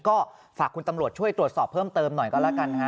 ก็ฝากคุณตำรวจช่วยตรวจสอบเพิ่มเติมหน่อยก็แล้วกันนะฮะ